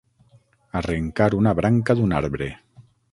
Arrencar una branca d'un arbre.